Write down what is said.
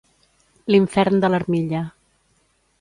L'infern de l'armilla.